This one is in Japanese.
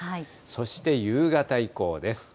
そして夕方以降です。